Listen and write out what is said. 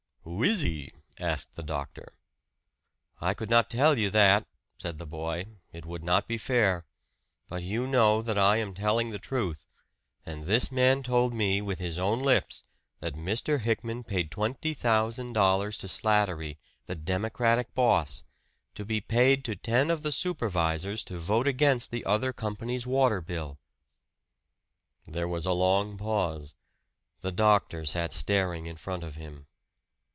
"Who is he?" asked the doctor. "I could not tell you that," said the boy "it would not be fair. But you know that I am telling the truth. And this man told me with his own lips that Mr. Hickman paid twenty thousand dollars to Slattery, the Democratic boss, to be paid to ten of the supervisors to vote against the other company's water bill." There was a long pause; the doctor sat staring in front of him.